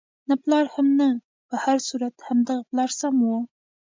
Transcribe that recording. نه پلار هم نه، په هر صورت همدغه پلار سم وو.